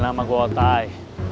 jangan panggil nama gua otai